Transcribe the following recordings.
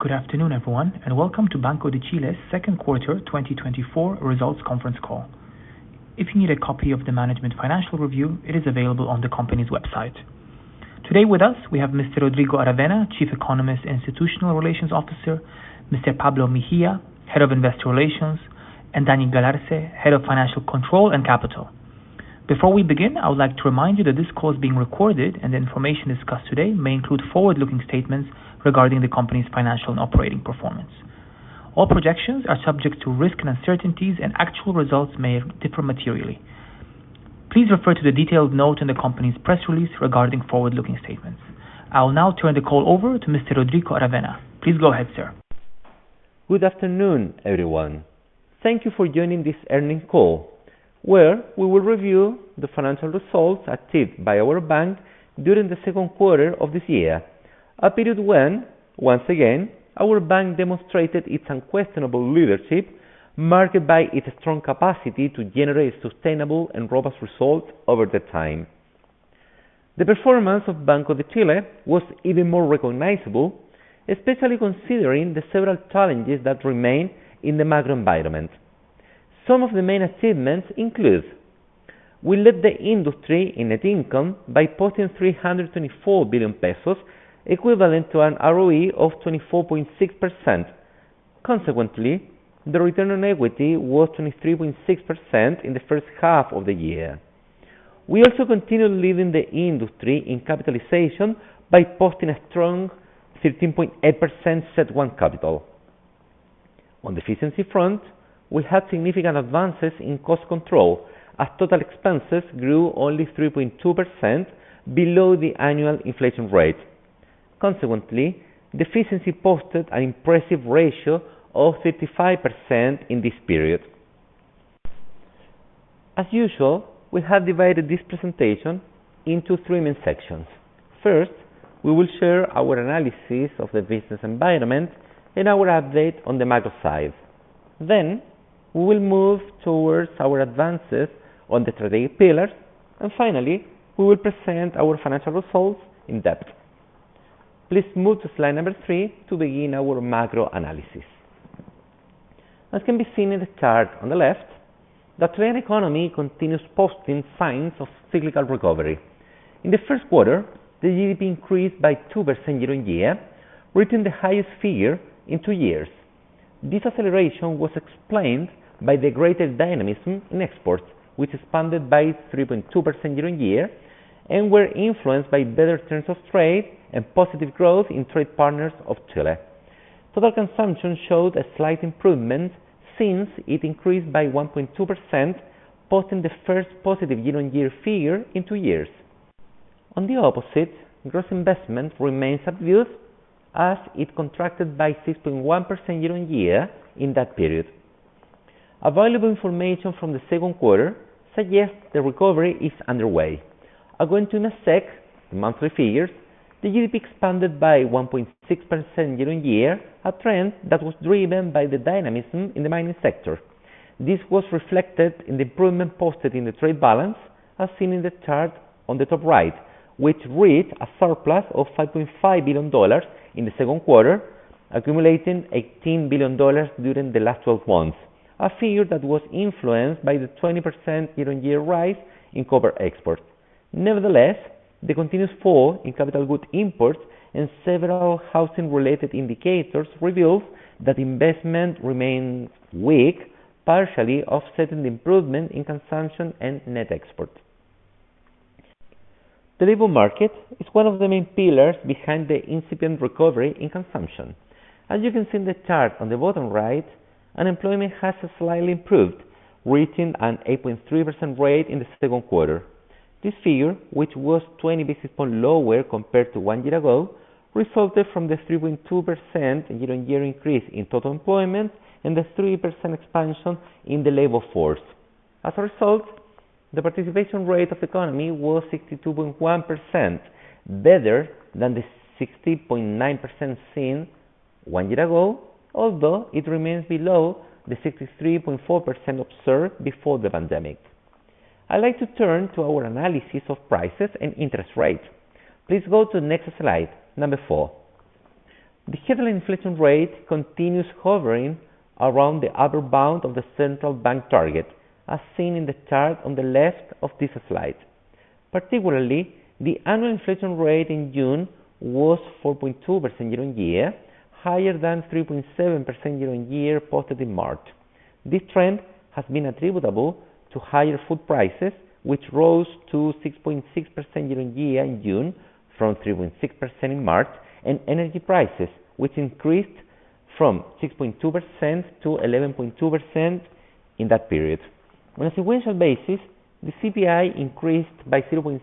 Good afternoon, everyone, and welcome to Banco de Chile's Second Quarter 2024 Results Conference Call. If you need a copy of the management financial review, it is available on the company's website. Today with us, we have Mr. Rodrigo Aravena, Chief Economist and Institutional Relations Officer, Mr. Pablo Mejia, Head of Investor Relations, and Daniel Galarce, Head of Financial Control and Capital. Before we begin, I would like to remind you that this call is being recorded, and the information discussed today may include forward-looking statements regarding the company's financial and operating performance. All projections are subject to risk and uncertainties, and actual results may differ materially. Please refer to the detailed note in the company's press release regarding forward-looking statements. I will now turn the call over to Mr. Rodrigo Aravena. Please go ahead, sir. Good afternoon, everyone. Thank you for joining this earnings call, where we will review the financial results achieved by our bank during the second quarter of this year, a period when, once again, our bank demonstrated its unquestionable leadership, marked by its strong capacity to generate sustainable and robust results over time. The performance of Banco de Chile was even more recognizable, especially considering the several challenges that remain in the macro environment. Some of the main achievements include: we led the industry in net income by posting 324 billion pesos, equivalent to an ROE of 24.6%. Consequently, the return on equity was 23.6% in the first half of the year. We also continued leading the industry in capitalization by posting a strong 13.8% CET1 capital. On the efficiency front, we had significant advances in cost control, as total expenses grew only 3.2% below the annual inflation rate. Consequently, the efficiency posted an impressive ratio of 35% in this period. As usual, we have divided this presentation into three main sections. First, we will share our analysis of the business environment and our update on the macro side. Then, we will move towards our advances on the strategic pillars, and finally, we will present our financial results in depth. Please move to slide number three to begin our macro analysis. As can be seen in the chart on the left, the trade economy continues posting signs of cyclical recovery. In the first quarter, the GDP increased by 2% year-on-year, reaching the highest figure in two years. This acceleration was explained by the greater dynamism in exports, which expanded by 3.2% year-on-year and were influenced by better terms of trade and positive growth in trade partners of Chile. Total consumption showed a slight improvement since it increased by 1.2%, posting the first positive year-on-year figure in two years. On the opposite, gross investment remained obvious, as it contracted by 6.1% year-on-year in that period. Available information from the second quarter suggests the recovery is underway. I'll go into IMACEC the monthly figures. The GDP expanded by 1.6% year-on-year, a trend that was driven by the dynamism in the mining sector. This was reflected in the improvement posted in the trade balance, as seen in the chart on the top right, which reads a surplus of $5.5 billion in the second quarter, accumulating $18 billion during the last 12 months, a figure that was influenced by the 20% year-on-year rise in copper exports. Nevertheless, the continuous fall in capital good imports and several housing-related indicators reveals that investment remains weak, partially offsetting the improvement in consumption and net export. The labor market is one of the main pillars behind the incipient recovery in consumption. As you can see in the chart on the bottom right, unemployment has slightly improved, reaching an 8.3% rate in the second quarter. This figure, which was 20 basis points lower compared to one year ago, resulted from the 3.2% year-on-year increase in total employment and the 3% expansion in the labor force. As a result, the participation rate of the economy was 62.1%, better than the 60.9% seen one year ago, although it remains below the 63.4% observed before the pandemic. I'd like to turn to our analysis of prices and interest rates. Please go to the next slide, number 4. The headline inflation rate continues hovering around the upper bound of the Central Bank target, as seen in the chart on the left of this slide. Particularly, the annual inflation rate in June was 4.2% year-on-year, higher than 3.7% year-on-year posted in March. This trend has been attributable to higher food prices, which rose to 6.6% year-on-year in June from 3.6% in March, and energy prices, which increased from 6.2% to 11.2% in that period. On a sequential basis, the CPI increased by 0.7%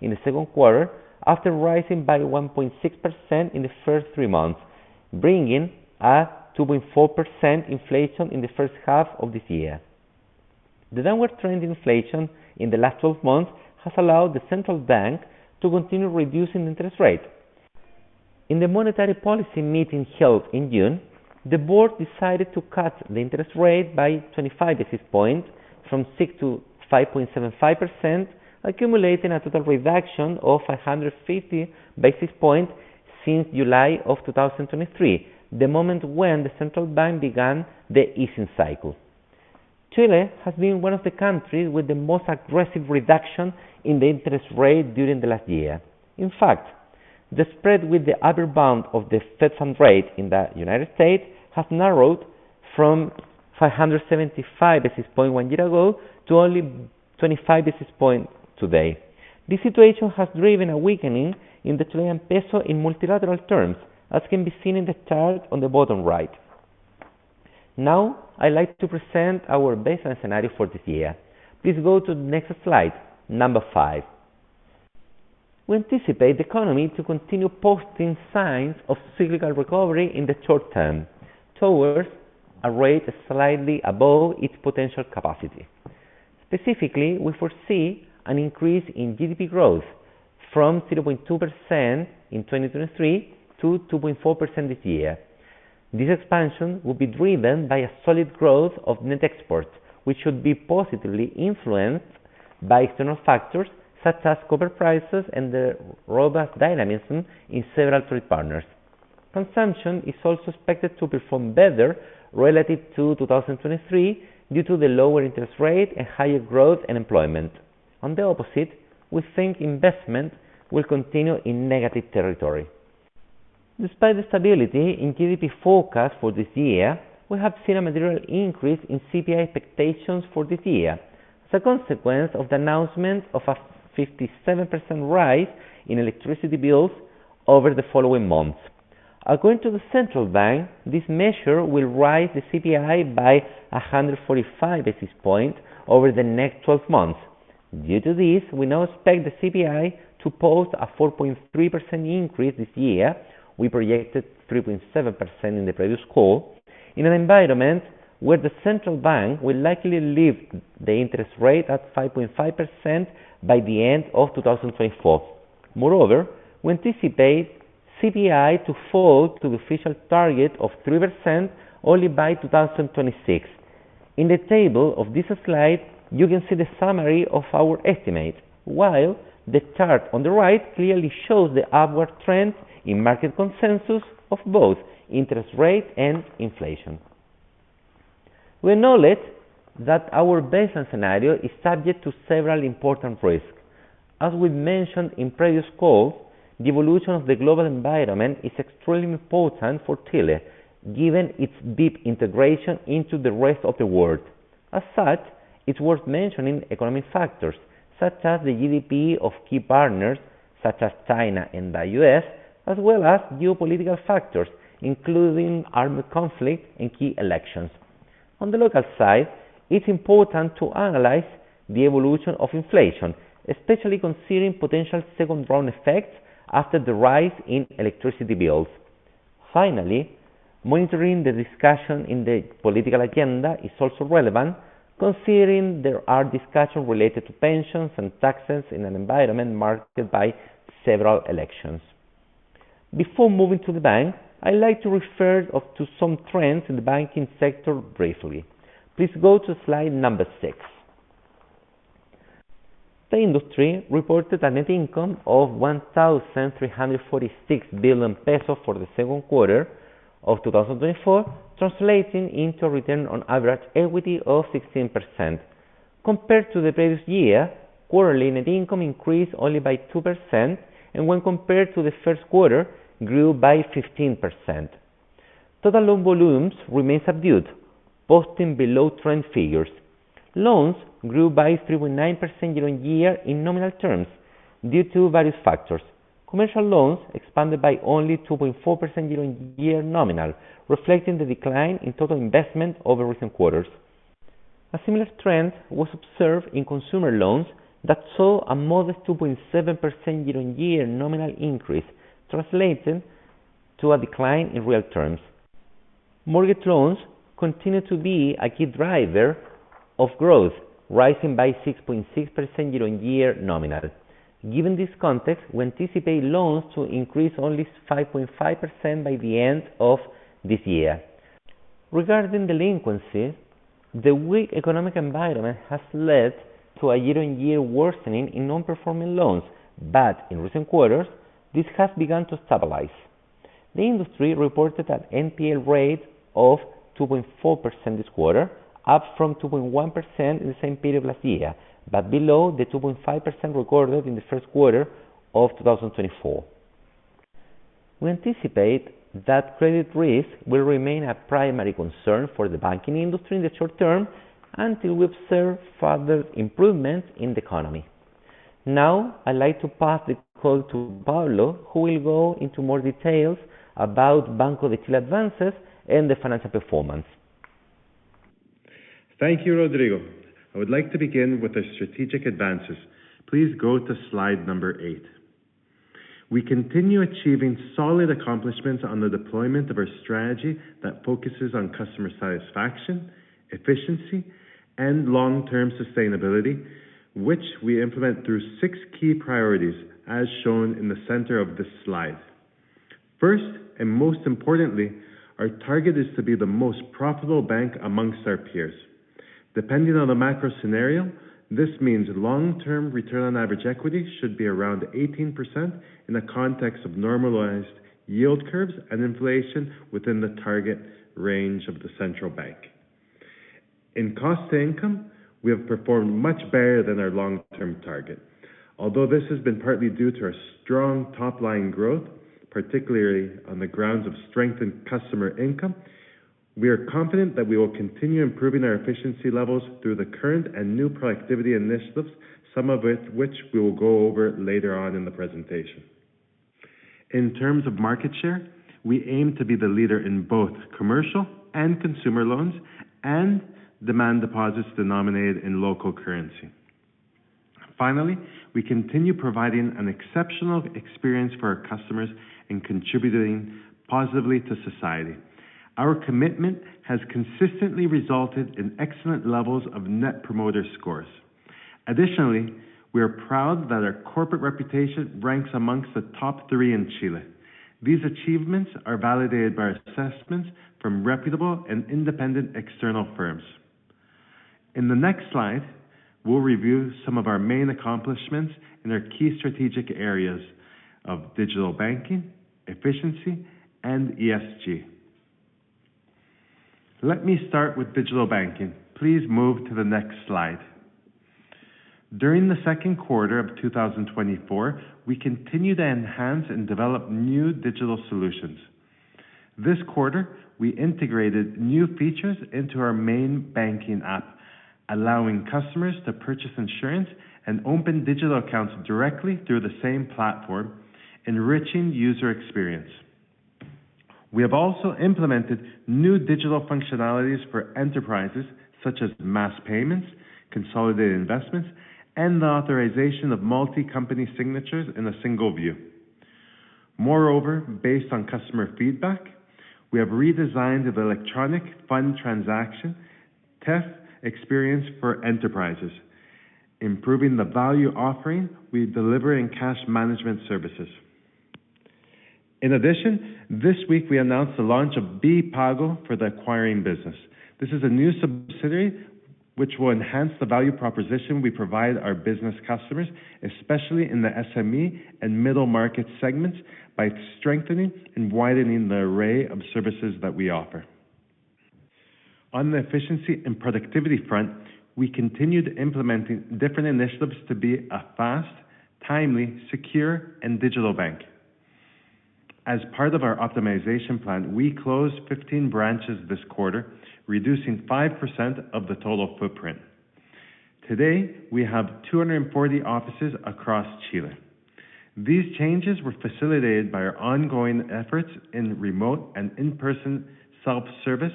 in the second quarter, after rising by 1.6% in the first three months, bringing a 2.4% inflation in the first half of this year. The downward trend in inflation in the last 12 months has allowed the Central Bank to continue reducing the interest rate. In the monetary policy meeting held in June, the board decided to cut the interest rate by 25 basis points from 6% to 5.75%, accumulating a total reduction of 150 basis points since July of 2023, the moment when the Central Bank began the easing cycle. Chile has been one of the countries with the most aggressive reduction in the interest rate during the last year. In fact, the spread with the upper bound of the Fed Fund rate in the United States has narrowed from 575 basis points one year ago to only 25 basis points today. This situation has driven a weakening in the Chilean peso in multilateral terms, as can be seen in the chart on the bottom right. Now, I'd like to present our baseline scenario for this year. Please go to the next slide, number 5. We anticipate the economy to continue posting signs of cyclical recovery in the short term towards a rate slightly above its potential capacity. Specifically, we foresee an increase in GDP growth from 0.2% in 2023 to 2.4% this year. This expansion will be driven by a solid growth of net exports, which should be positively influenced by external factors such as copper prices and the robust dynamism in several trade partners. Consumption is also expected to perform better relative to 2023 due to the lower interest rate and higher growth and employment. On the opposite, we think investment will continue in negative territory. Despite the stability in GDP forecast for this year, we have seen a material increase in CPI expectations for this year, as a consequence of the announcement of a 57% rise in electricity bills over the following months. According to the Central Bank, this measure will raise the CPI by 145 basis points over the next 12 months. Due to this, we now expect the CPI to post a 4.3% increase this year. We projected 3.7% in the previous call. In an environment where the Central Bank will likely lift the interest rate at 5.5% by the end of 2024. Moreover, we anticipate CPI to fall to the official target of 3% only by 2026. In the table of this slide, you can see the summary of our estimate, while the chart on the right clearly shows the upward trend in market consensus of both interest rate and inflation. We acknowledge that our baseline scenario is subject to several important risks. As we mentioned in previous calls, the evolution of the global environment is extremely important for Chile, given its deep integration into the rest of the world. As such, it's worth mentioning economic factors, such as the GDP of key partners such as China and the U.S., as well as geopolitical factors, including armed conflict and key elections. On the local side, it's important to analyze the evolution of inflation, especially considering potential second round effects after the rise in electricity bills. Finally, monitoring the discussion in the political agenda is also relevant, considering there are discussions related to pensions and taxes in an environment marked by several elections. Before moving to the bank, I'd like to refer to some trends in the banking sector briefly. Please go to slide number 6. The industry reported a net income of 1,346 billion pesos for the second quarter of 2024, translating into a return on average equity of 16%. Compared to the previous year, quarterly net income increased only by 2%, and when compared to the first quarter, grew by 15%. Total loan volumes remain subdued, posting below trend figures. Loans grew by 3.9% year-on-year in nominal terms due to various factors. Commercial loans expanded by only 2.4% year-on-year nominal, reflecting the decline in total investment over recent quarters. A similar trend was observed in consumer loans that saw a modest 2.7% year-on-year nominal increase, translating to a decline in real terms. Mortgage loans continue to be a key driver of growth, rising by 6.6% year-on-year nominal. Given this context, we anticipate loans to increase only 5.5% by the end of this year. Regarding delinquency, the weak economic environment has led to a year-on-year worsening in non-performing loans, but in recent quarters, this has begun to stabilize. The industry reported an NPL rate of 2.4% this quarter, up from 2.1% in the same period last year, but below the 2.5% recorded in the first quarter of 2024. We anticipate that credit risk will remain a primary concern for the banking industry in the short term until we observe further improvements in the economy. Now, I'd like to pass the call to Pablo, who will go into more details about Banco de Chile, advances, and the financial performance. Thank you, Rodrigo. I would like to begin with our strategic advances. Please go to slide number 8. We continue achieving solid accomplishments on the deployment of our strategy that focuses on customer satisfaction, efficiency, and long-term sustainability, which we implement through 6 key priorities, as shown in the center of this slide. First, and most importantly, our target is to be the most profitable bank amongst our peers. Depending on the macro scenario, this means long-term return on average equity should be around 18% in the context of normalized yield curves and inflation within the target range of the Central Bank. In cost to income, we have performed much better than our long-term target. Although this has been partly due to our strong top-line growth, particularly on the grounds of strengthened customer income, we are confident that we will continue improving our efficiency levels through the current and new productivity initiatives, some of which we will go over later on in the presentation. In terms of market share, we aim to be the leader in both commercial and consumer loans and demand deposits denominated in local currency. Finally, we continue providing an exceptional experience for our customers and contributing positively to society. Our commitment has consistently resulted in excellent levels of net promoter scores. Additionally, we are proud that our corporate reputation ranks among the top three in Chile. These achievements are validated by assessments from reputable and independent external firms. In the next slide, we'll review some of our main accomplishments in our key strategic areas of digital banking, efficiency, and ESG. Let me start with digital banking. Please move to the next slide. During the second quarter of 2024, we continued to enhance and develop new digital solutions. This quarter, we integrated new features into our main banking app, allowing customers to purchase insurance and open digital accounts directly through the same platform, enriching user experience. We have also implemented new digital functionalities for enterprises, such as mass payments, consolidated investments, and the authorization of multi-company signatures in a single view. Moreover, based on customer feedback, we have redesigned the electronic fund transaction TEF experience for enterprises, improving the value offering we deliver in cash management services. In addition, this week, we announced the launch of B-Pago for the acquiring business. This is a new subsidiary which will enhance the value proposition we provide our business customers, especially in the SME and middle market segments, by strengthening and widening the array of services that we offer. On the efficiency and productivity front, we continue to implement different initiatives to be a fast, timely, secure, and digital bank. As part of our optimization plan, we closed 15 branches this quarter, reducing 5% of the total footprint. Today, we have 240 offices across Chile. These changes were facilitated by our ongoing efforts in remote and in-person self-service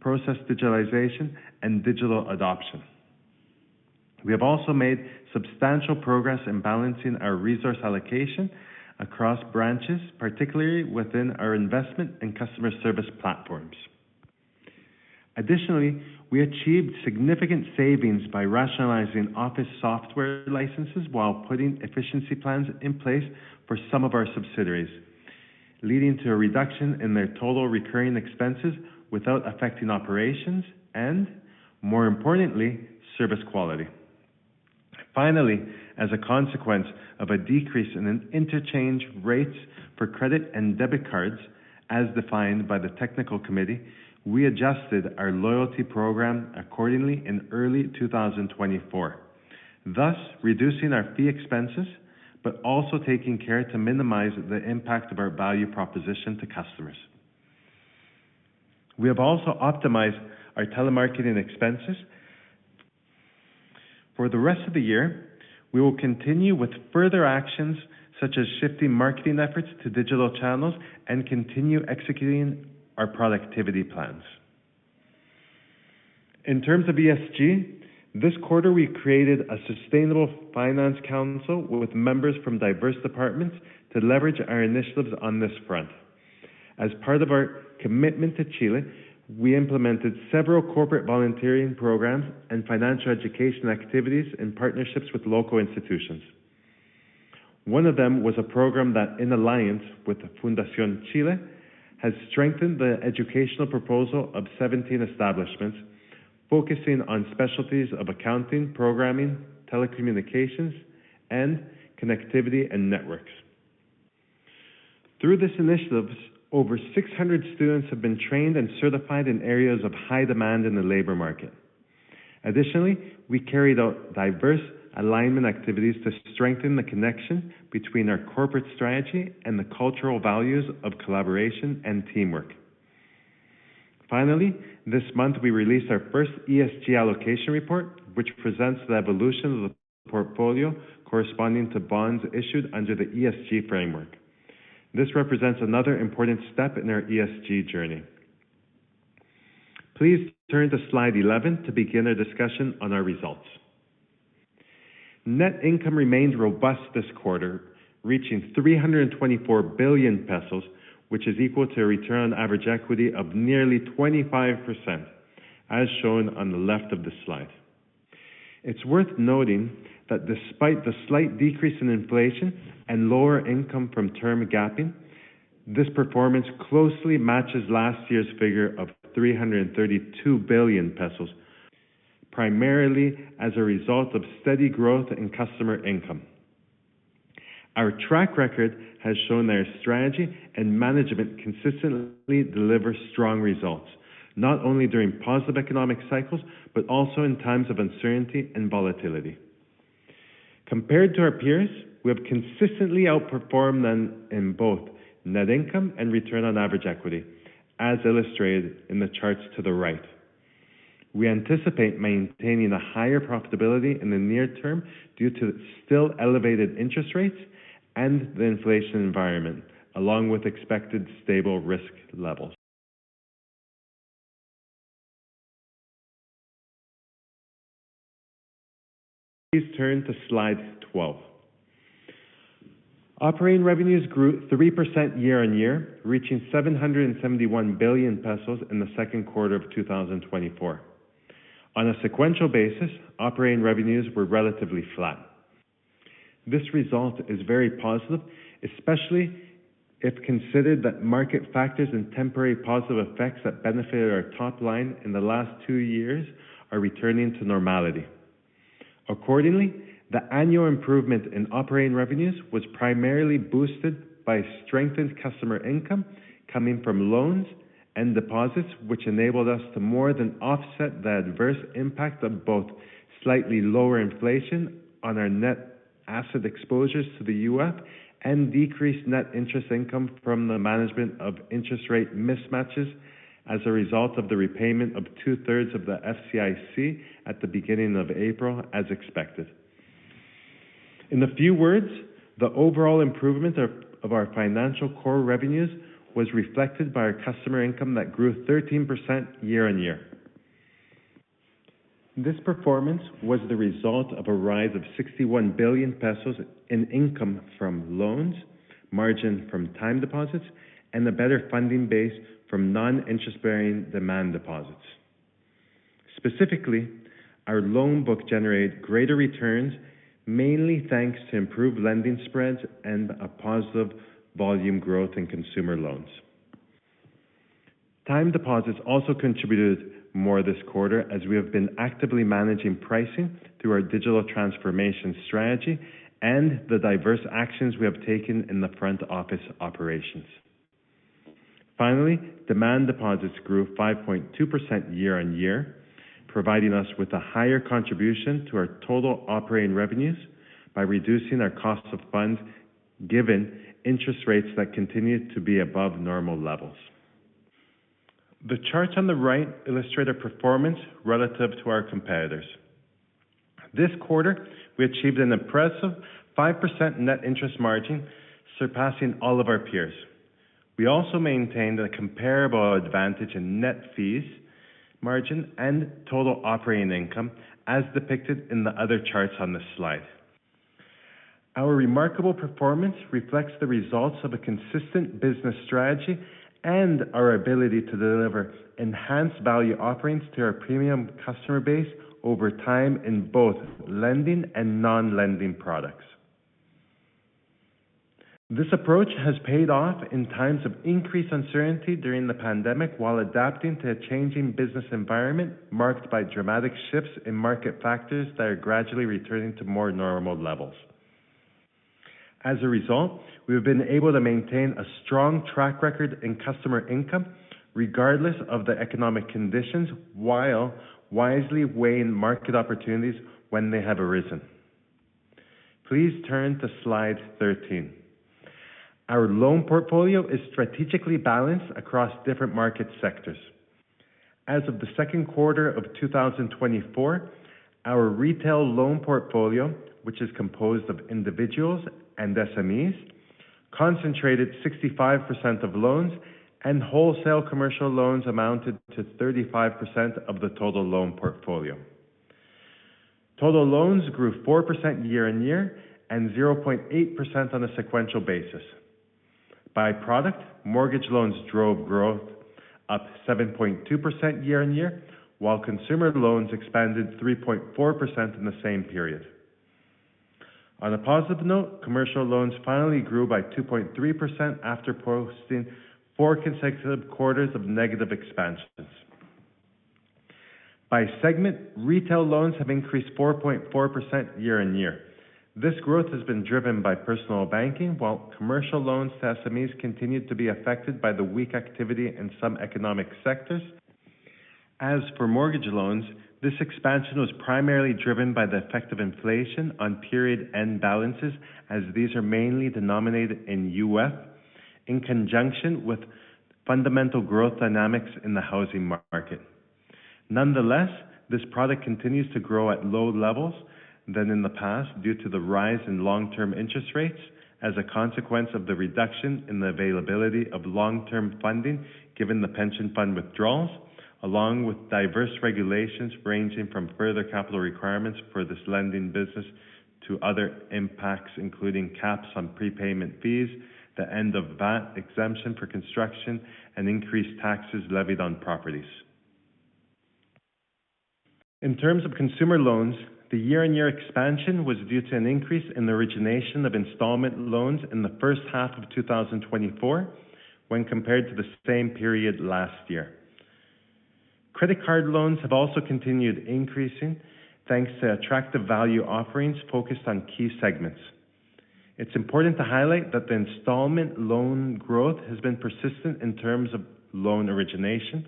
process digitalization and digital adoption. We have also made substantial progress in balancing our resource allocation across branches, particularly within our investment and customer service platforms. Additionally, we achieved significant savings by rationalizing office software licenses while putting efficiency plans in place for some of our subsidiaries, leading to a reduction in their total recurring expenses without affecting operations and, more importantly, service quality. Finally, as a consequence of a decrease in interchange rates for credit and debit cards, as defined by the technical committee, we adjusted our loyalty program accordingly in early 2024, thus reducing our fee expenses, but also taking care to minimize the impact of our value proposition to customers. We have also optimized our telemarketing expenses. For the rest of the year, we will continue with further actions such as shifting marketing efforts to digital channels and continue executing our productivity plans. In terms of ESG, this quarter, we created a sustainable finance council with members from diverse departments to leverage our initiatives on this front. As part of our commitment to Chile, we implemented several corporate volunteering programs and financial education activities in partnerships with local institutions. One of them was a program that, in alliance with the Fundación Chile, has strengthened the educational proposal of 17 establishments, focusing on specialties of accounting, programming, telecommunications, and connectivity and networks. Through this initiative, over 600 students have been trained and certified in areas of high demand in the labor market. Additionally, we carried out diverse alignment activities to strengthen the connection between our corporate strategy and the cultural values of collaboration and teamwork. Finally, this month, we released our first ESG allocation report, which presents the evolution of the portfolio corresponding to bonds issued under the ESG framework. This represents another important step in our ESG journey. Please turn to slide 11 to begin our discussion on our results. Net income remained robust this quarter, reaching 324 billion pesos, which is equal to a return on average equity of nearly 25%, as shown on the left of the slide. It's worth noting that despite the slight decrease in inflation and lower income from term gapping, this performance closely matches last year's figure of 332 billion pesos, primarily as a result of steady growth in customer income. Our track record has shown that our strategy and management consistently deliver strong results, not only during positive economic cycles, but also in times of uncertainty and volatility. Compared to our peers, we have consistently outperformed them in both net income and return on average equity, as illustrated in the charts to the right. We anticipate maintaining a higher profitability in the near term due to still elevated interest rates and the inflation environment, along with expected stable risk levels. Please turn to slide 12. Operating revenues grew 3% year-on-year, reaching 771 billion pesos in the second quarter of 2024. On a sequential basis, operating revenues were relatively flat. This result is very positive, especially if considered that market factors and temporary positive effects that benefited our top line in the last two years are returning to normality. Accordingly, the annual improvement in operating revenues was primarily boosted by strengthened customer income coming from loans and deposits, which enabled us to more than offset the adverse impact of both slightly lower inflation on our net asset exposures to the UF. Decreased net interest income from the management of interest rate mismatches as a result of the repayment of two-thirds of the FCIC at the beginning of April, as expected. In a few words, the overall improvement of our financial core revenues was reflected by our customer income that grew 13% year-on-year. This performance was the result of a rise of 61 billion pesos in income from loans, margin from time deposits, and a better funding base from non-interest-bearing demand deposits. Specifically, our loan book generated greater returns, mainly thanks to improved lending spreads and a positive volume growth in consumer loans. Time deposits also contributed more this quarter, as we have been actively managing pricing through our digital transformation strategy and the diverse actions we have taken in the front office operations. Finally, demand deposits grew 5.2% year-over-year, providing us with a higher contribution to our total operating revenues by reducing our cost of funds, given interest rates that continue to be above normal levels. The charts on the right illustrate our performance relative to our competitors. This quarter, we achieved an impressive 5% net interest margin, surpassing all of our peers. We also maintained a comparable advantage in net fees margin and total operating income, as depicted in the other charts on this slide. Our remarkable performance reflects the results of a consistent business strategy and our ability to deliver enhanced value offerings to our premium customer base over time in both lending and non-lending products. This approach has paid off in times of increased uncertainty during the pandemic, while adapting to a changing business environment marked by dramatic shifts in market factors that are gradually returning to more normal levels. As a result, we have been able to maintain a strong track record in customer income, regardless of the economic conditions, while wisely weighing market opportunities when they have arisen. Please turn to slide 13. Our loan portfolio is strategically balanced across different market sectors. As of the second quarter of 2024, our retail loan portfolio, which is composed of individuals and SMEs, concentrated 65% of loans and wholesale commercial loans amounted to 35% of the total loan portfolio. Total loans grew 4% year-on-year and 0.8% on a sequential basis. By product, mortgage loans drove growth, up 7.2% year-on-year, while consumer loans expanded 3.4% in the same period. On a positive note, commercial loans finally grew by 2.3% after posting four consecutive quarters of negative expansions. By segment, retail loans have increased 4.4% year-on-year. This growth has been driven by personal banking, while commercial loans to SMEs continued to be affected by the weak activity in some economic sectors. As for mortgage loans, this expansion was primarily driven by the effect of inflation on period end balances, as these are mainly denominated in UF, in conjunction with fundamental growth dynamics in the housing market. Nonetheless, this product continues to grow at low levels than in the past due to the rise in long-term interest rates as a consequence of the reduction in the availability of long-term funding, given the pension fund withdrawals, along with diverse regulations ranging from further capital requirements for this lending business to other impacts, including caps on prepayment fees, the end of VAT exemption for construction, and increased taxes levied on properties. In terms of consumer loans, the year-on-year expansion was due to an increase in the origination of installment loans in the first half of 2024 when compared to the same period last year. Credit card loans have also continued increasing, thanks to attractive value offerings focused on key segments. It's important to highlight that the installment loan growth has been persistent in terms of loan origination,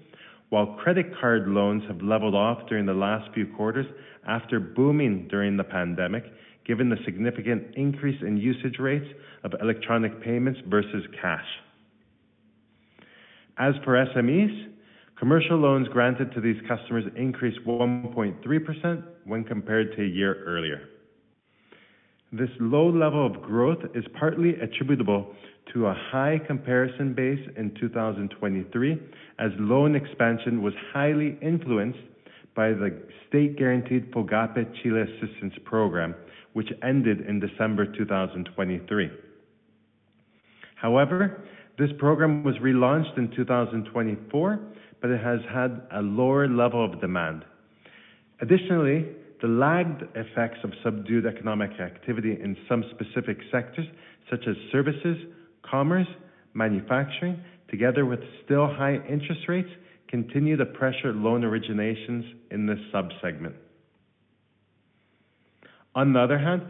while credit card loans have leveled off during the last few quarters after booming during the pandemic, given the significant increase in usage rates of electronic payments versus cash. As for SMEs, commercial loans granted to these customers increased 1.3% when compared to a year earlier. This low level of growth is partly attributable to a high comparison base in 2023, as loan expansion was highly influenced by the state-guaranteed FOGAPE Chile Apoya program, which ended in December 2023. However, this program was relaunched in 2024, but it has had a lower level of demand. Additionally, the lagged effects of subdued economic activity in some specific sectors, such as services, commerce, manufacturing, together with still high interest rates, continue to pressure loan originations in this subsegment. On the other hand,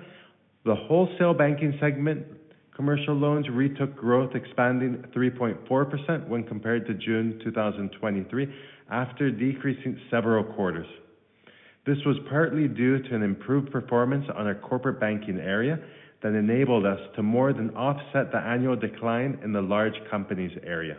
the wholesale banking segment, commercial loans retook growth, expanding 3.4% when compared to June 2023, after decreasing several quarters. This was partly due to an improved performance on our corporate banking area that enabled us to more than offset the annual decline in the large companies area.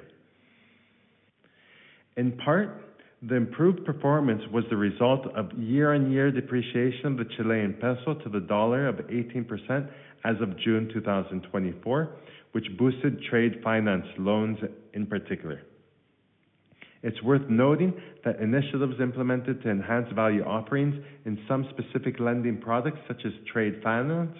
In part, the improved performance was the result of year-on-year depreciation of the Chilean peso to the US dollar of 18% as of June 2024, which boosted trade finance loans in particular. It's worth noting that initiatives implemented to enhance value offerings in some specific lending products, such as trade finance,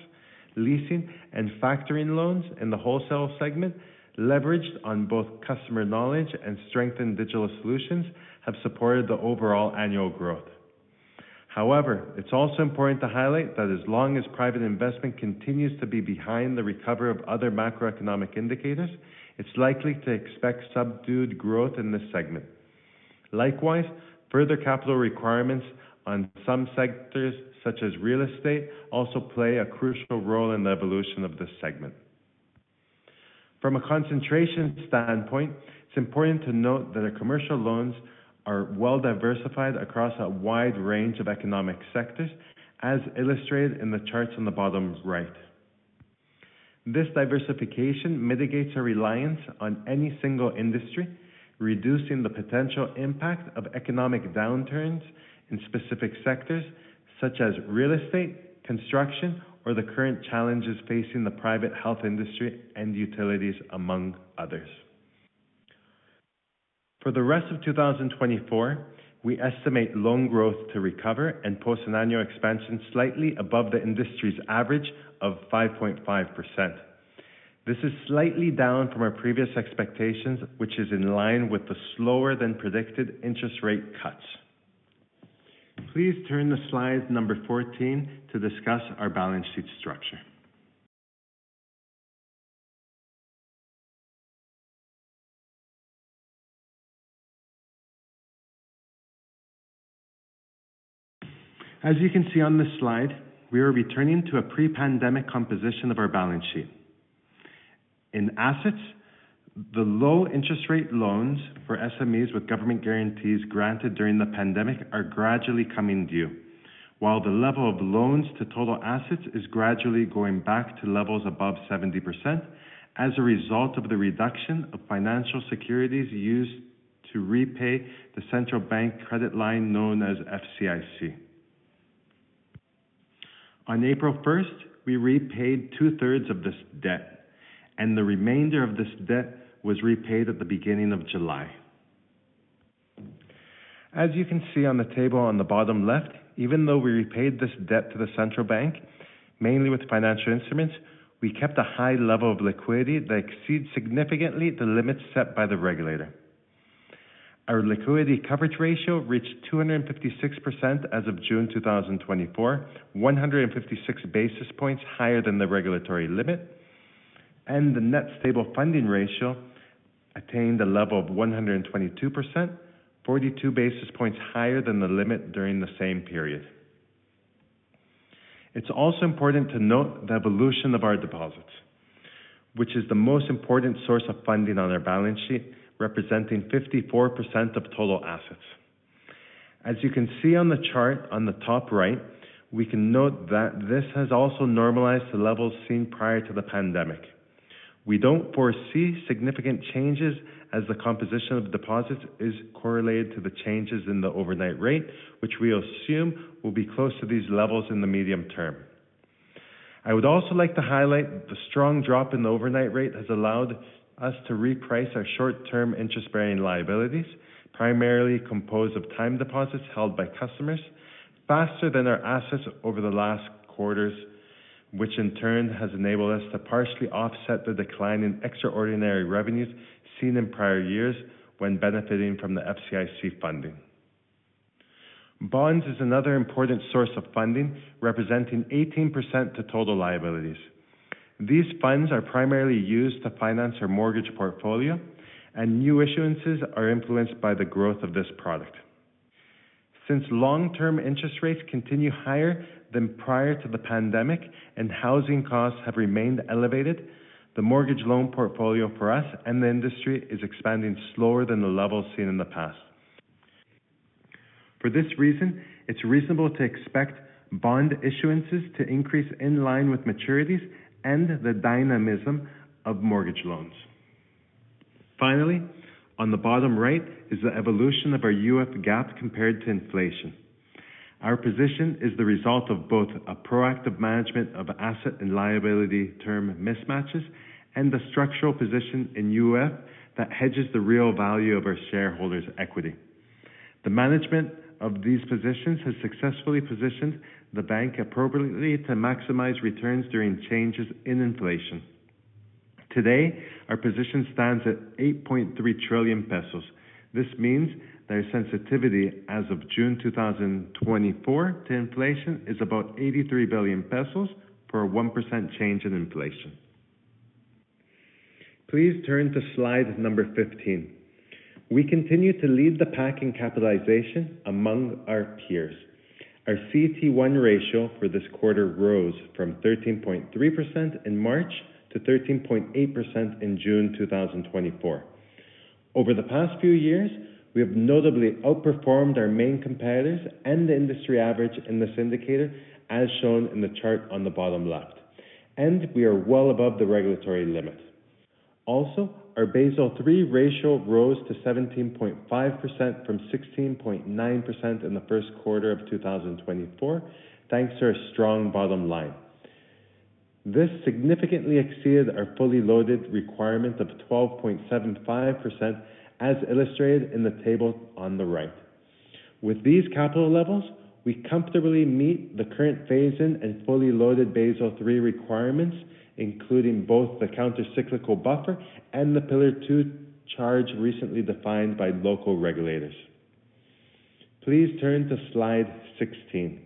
leasing, and factoring loans in the wholesale segment, leveraged on both customer knowledge and strengthened digital solutions, have supported the overall annual growth. However, it's also important to highlight that as long as private investment continues to be behind the recovery of other macroeconomic indicators, it's likely to expect subdued growth in this segment. Likewise, further capital requirements on some sectors, such as real estate, also play a crucial role in the evolution of this segment. From a concentration standpoint, it's important to note that our commercial loans are well-diversified across a wide range of economic sectors, as illustrated in the charts on the bottom right. This diversification mitigates our reliance on any single industry, reducing the potential impact of economic downturns in specific sectors, such as real estate, construction, or the current challenges facing the private health industry and utilities, among others. For the rest of 2024, we estimate loan growth to recover and post an annual expansion slightly above the industry's average of 5.5%. This is slightly down from our previous expectations, which is in line with the slower-than-predicted interest rate cuts. Please turn to slide number 14 to discuss our balance sheet structure. As you can see on this slide, we are returning to a pre-pandemic composition of our balance sheet. In assets, the low interest rate loans for SMEs with government guarantees granted during the pandemic are gradually coming due, while the level of loans to total assets is gradually going back to levels above 70% as a result of the reduction of financial securities used to repay the Central Bank credit line known as FCIC. On April 1st, we repaid two-thirds of this debt, and the remainder of this debt was repaid at the beginning of July. As you can see on the table on the bottom left, even though we repaid this debt to the Central Bank, mainly with financial instruments, we kept a high level of liquidity that exceeds significantly the limits set by the regulator. Our liquidity coverage ratio reached 256% as of June 2024, 156 basis points higher than the regulatory limit, and the net stable funding ratio attained a level of 122%, 42 basis points higher than the limit during the same period. It's also important to note the evolution of our deposits, which is the most important source of funding on our balance sheet, representing 54% of total assets. As you can see on the chart on the top right, we can note that this has also normalized the levels seen prior to the pandemic. We don't foresee significant changes as the composition of deposits is correlated to the changes in the overnight rate, which we assume will be close to these levels in the medium term. I would also like to highlight that the strong drop in the overnight rate has allowed us to reprice our short-term interest-bearing liabilities, primarily composed of time deposits held by customers, faster than our assets over the last quarters, which in turn has enabled us to partially offset the decline in extraordinary revenues seen in prior years when benefiting from the FCIC funding. Bonds is another important source of funding, representing 18% to total liabilities. These funds are primarily used to finance our mortgage portfolio, and new issuances are influenced by the growth of this product. Since long-term interest rates continue higher than prior to the pandemic and housing costs have remained elevated, the mortgage loan portfolio for us and the industry is expanding slower than the levels seen in the past. For this reason, it's reasonable to expect bond issuances to increase in line with maturities and the dynamism of mortgage loans. Finally, on the bottom right is the evolution of our UF gap compared to inflation. Our position is the result of both a proactive management of asset and liability term mismatches and the structural position in UF that hedges the real value of our shareholders' equity. The management of these positions has successfully positioned the bank appropriately to maximize returns during changes in inflation. Today, our position stands at 8.3 trillion pesos. This means that our sensitivity as of June 2024 to inflation is about 83 billion pesos for a 1% change in inflation. Please turn to slide number 15. We continue to lead the pack in capitalization among our peers. Our CET1 ratio for this quarter rose from 13.3% in March to 13.8% in June 2024. Over the past few years, we have notably outperformed our main competitors and the industry average in this indicator, as shown in the chart on the bottom left, and we are well above the regulatory limit. Also, our Basel III ratio rose to 17.5% from 16.9% in the first quarter of 2024, thanks to our strong bottom line. This significantly exceeded our fully loaded requirement of 12.75%, as illustrated in the table on the right. With these capital levels, we comfortably meet the current phase-in and fully loaded Basel III requirements, including both the countercyclical buffer and the Pillar II charge recently defined by local regulators. Please turn to slide 16.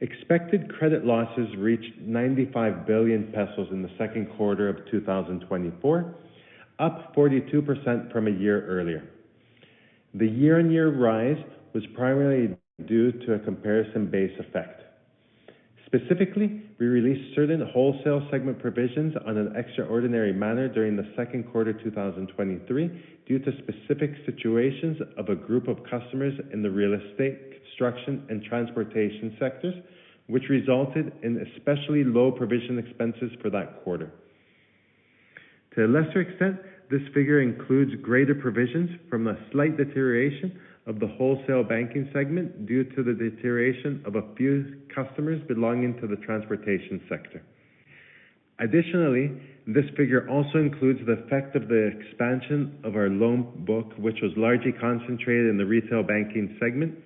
Expected credit losses reached 95 billion pesos in the second quarter of 2024, up 42% from a year earlier. The year-on-year rise was primarily due to a comparison-based effect. Specifically, we released certain wholesale segment provisions on an extraordinary manner during the second quarter of 2023 due to specific situations of a group of customers in the real estate, construction, and transportation sectors, which resulted in especially low provision expenses for that quarter. To a lesser extent, this figure includes greater provisions from a slight deterioration of the wholesale banking segment due to the deterioration of a few customers belonging to the transportation sector. Additionally, this figure also includes the effect of the expansion of our loan book, which was largely concentrated in the retail banking segment,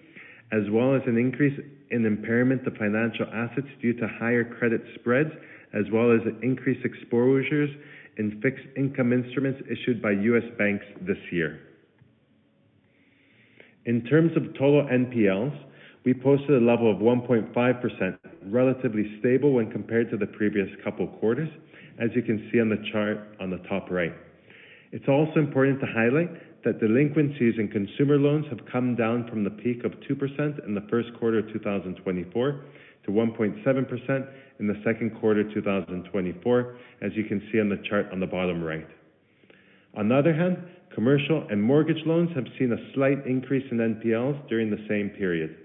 as well as an increase in impairment of financial assets due to higher credit spreads, as well as increased exposures in fixed income instruments issued by U.S. banks this year. In terms of total NPLs, we posted a level of 1.5%, relatively stable when compared to the previous couple quarters, as you can see on the chart on the top right. It's also important to highlight that delinquencies in consumer loans have come down from the peak of 2% in the first quarter of 2024 to 1.7% in the second quarter of 2024, as you can see on the chart on the bottom right. On the other hand, commercial and mortgage loans have seen a slight increase in NPLs during the same period,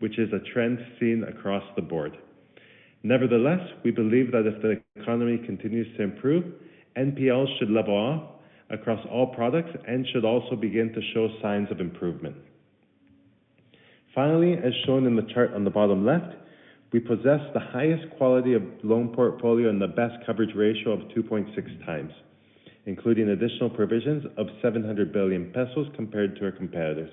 which is a trend seen across the board. Nevertheless, we believe that if the economy continues to improve, NPLs should level off across all products and should also begin to show signs of improvement. Finally, as shown in the chart on the bottom left, we possess the highest quality of loan portfolio and the best coverage ratio of 2.6 times, including additional provisions of 700 billion pesos compared to our competitors.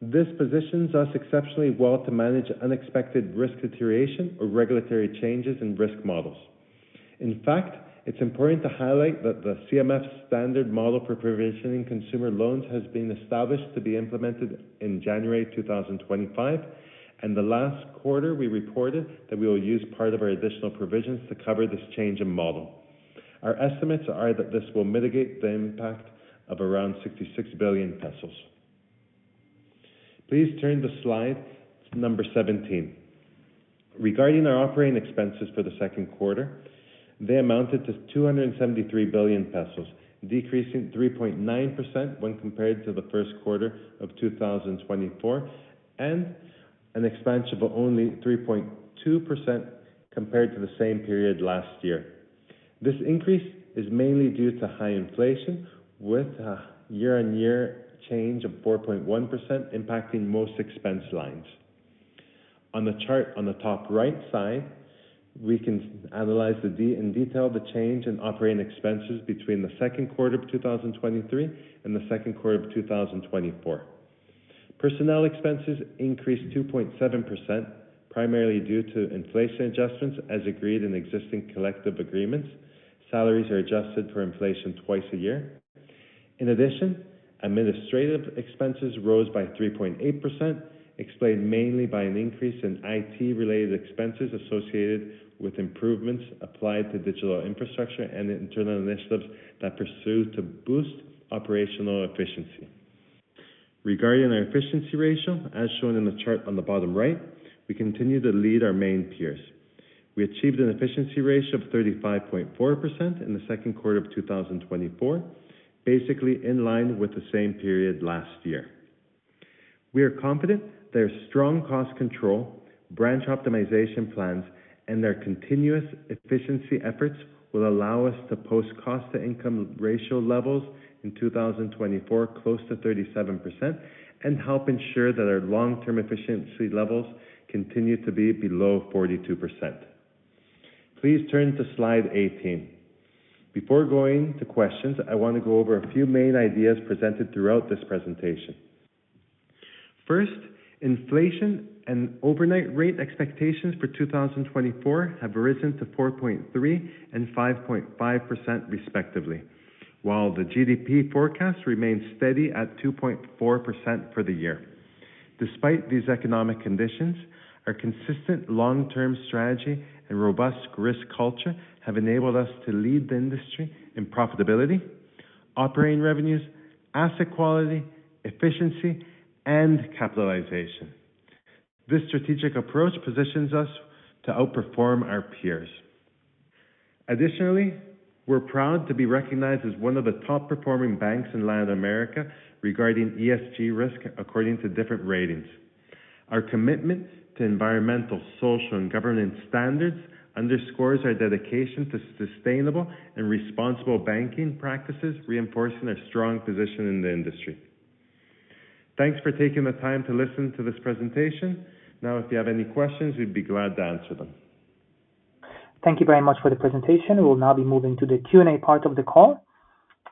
This positions us exceptionally well to manage unexpected risk deterioration or regulatory changes in risk models. In fact, it's important to highlight that the CMF standard model for provisioning consumer loans has been established to be implemented in January 2025, and the last quarter we reported that we will use part of our additional provisions to cover this change in model. Our estimates are that this will mitigate the impact of around 66 billion pesos. Please turn to slide number 17. Regarding our operating expenses for the second quarter, they amounted to 273 billion pesos, decreasing 3.9% when compared to the first quarter of 2024 and an expansion of only 3.2% compared to the same period last year. This increase is mainly due to high inflation, with a year-on-year change of 4.1% impacting most expense lines. On the chart on the top right side, we can analyze in detail the change in operating expenses between the second quarter of 2023 and the second quarter of 2024. Personnel expenses increased 2.7%, primarily due to inflation adjustments as agreed in existing collective agreements. Salaries are adjusted for inflation twice a year. In addition, administrative expenses rose by 3.8%, explained mainly by an increase in IT-related expenses associated with improvements applied to digital infrastructure and internal initiatives that pursue to boost operational efficiency. Regarding our efficiency ratio, as shown in the chart on the bottom right, we continue to lead our main peers. We achieved an efficiency ratio of 35.4% in the second quarter of 2024, basically in line with the same period last year. We are confident that our strong cost control, branch optimization plans, and our continuous efficiency efforts will allow us to post cost-to-income ratio levels in 2024 close to 37% and help ensure that our long-term efficiency levels continue to be below 42%. Please turn to slide 18. Before going to questions, I want to go over a few main ideas presented throughout this presentation. First, inflation and overnight rate expectations for 2024 have risen to 4.3% and 5.5%, respectively, while the GDP forecast remains steady at 2.4% for the year. Despite these economic conditions, our consistent long-term strategy and robust risk culture have enabled us to lead the industry in profitability, operating revenues, asset quality, efficiency, and capitalization. This strategic approach positions us to outperform our peers. Additionally, we're proud to be recognized as one of the top-performing banks in Latin America regarding ESG risk, according to different ratings. Our commitment to environmental, social, and governance standards underscores our dedication to sustainable and responsible banking practices, reinforcing our strong position in the industry. Thanks for taking the time to listen to this presentation. Now, if you have any questions, we'd be glad to answer them. Thank you very much for the presentation. We will now be moving to the Q&A part of the call.